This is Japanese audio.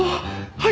はい。